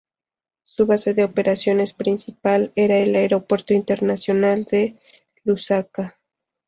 Su base de operaciones principal era el Aeropuerto Internacional de Lusaka.